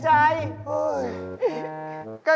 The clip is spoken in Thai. ฉันไม่ได้เสียใจ